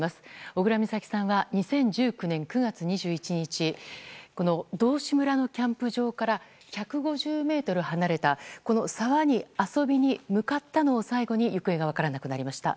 小倉美咲さんは２０１９年９月２１日道志村のキャンプ場から１５０ｍ離れたこの沢に遊びに向かったのを最後に行方が分からなくなりました。